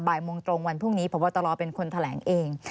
บ่ายโมงตรงวันพรุ่งนี้พบตรเป็นคนแถลงเอง